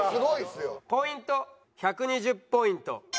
ポイント１２０ポイント。